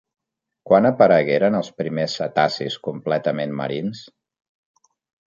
Quan aparegueren els primers cetacis completament marins?